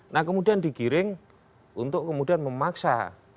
nah kemudian digiring untuk kemudian memaksa